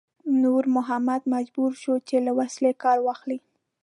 نور محمد مجبور شو چې له وسلې کار واخلي.